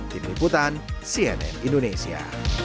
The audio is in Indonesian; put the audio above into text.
tim liputan cnn indonesia